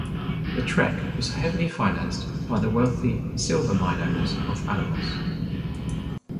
The trek was heavily financed by the wealthy silver mine owners of Alamos.